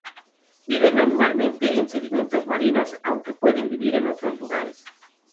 Viven normalmente en sedimentos marinos, aunque pueden vivir en otros lugares.